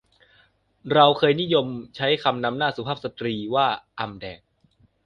เราเคยนิยมใช้คำนำหน้าสุภาพสตรีว่าอำแดง